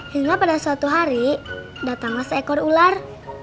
hingga pada suatu hari datanglah seekor ular